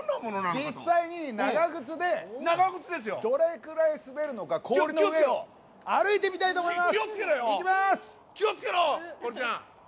実際に長靴でどれぐらい滑るのか、氷の上を歩いてみたいと思います。